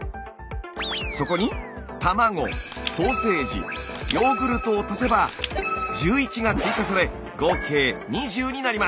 そこに卵ソーセージヨーグルトを足せば１１が追加され合計２０になります！